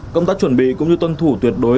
công tác chuẩn bị cũng như tuân thủ tuyệt đối